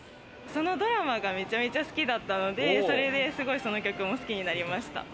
そのドラマがめちゃめちゃ好きだったので、その曲も好きになりました。